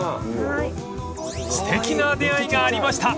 ［すてきな出合いがありました］